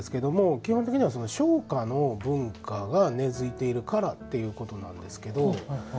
基本的には商家の文化が根づいているからということなんですけど。